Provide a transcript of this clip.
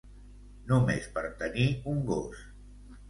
Només per tenir un gos.